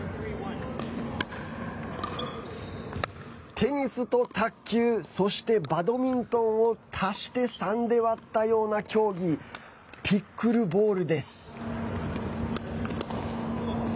テニスと卓球そして、バドミントンを足して３で割ったような競技ピックルボールです。